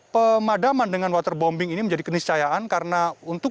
pemadaman dengan waterbombing ini menjadi keniscayaan karena untuk